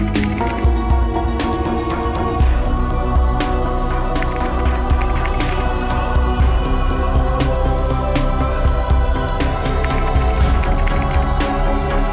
ตัวผูครับ